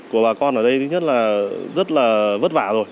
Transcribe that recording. của bà con ở đây thứ nhất là rất là vất vả rồi